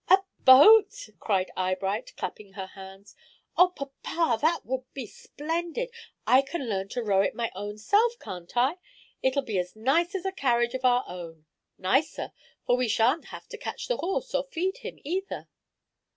"A boat," cried Eyebright, clapping her hands "Oh, papa, that would be splendid. I can learn to row it my own self, can't I? It'll be as nice as a carriage of our own, nicer, for we shan't have to catch the horse, or feed him either.